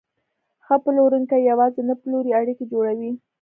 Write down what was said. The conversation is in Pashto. ښه پلورونکی یوازې نه پلوري، اړیکې جوړوي.